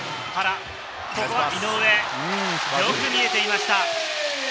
ここは井上、よく見えていました。